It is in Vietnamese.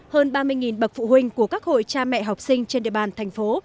hơn ba mươi bậc phụ huynh của các hội cha mẹ học sinh trên địa bàn thành phố